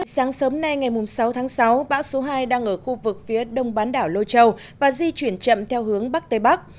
sáng sớm nay ngày sáu tháng sáu bão số hai đang ở khu vực phía đông bán đảo lôi châu và di chuyển chậm theo hướng bắc tây bắc